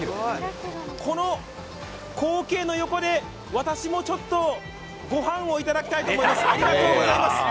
この光景の横で私もちょっとごはんをいただきたいと思います。